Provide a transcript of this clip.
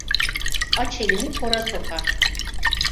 Aç elini kora sokar.